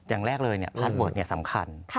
อย่างแรกเลยพาร์ทเวิร์ดสำคัญ